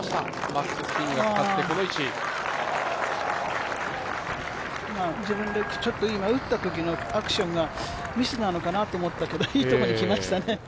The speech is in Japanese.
バックスピンがかかって、この位置自分で今打ったときのアクションがミスなのかなと思ったけどいいところに来ましたね。